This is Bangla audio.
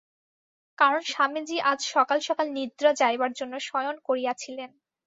কারণ স্বামীজী আজ সকাল-সকাল নিদ্রা যাইবার জন্য শয়ন করিয়াছিলেন।